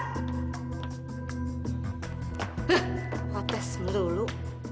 hah protes dulu